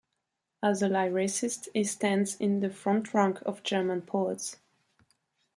As a lyricist he stands in the front rank of German poets.